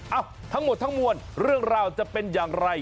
ทั้งหมดทั้งมวลเรื่องราวจะเป็นอย่างไร